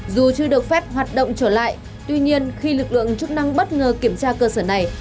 dù chưa được phép hoạt động trở lại tuy nhiên khi lực lượng chức năng bất ngờ kiểm tra cơ sở này